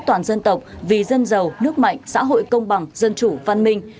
toàn dân tộc vì dân giàu nước mạnh xã hội công bằng dân chủ văn minh